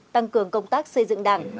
tăng cường công tác xây dựng đảng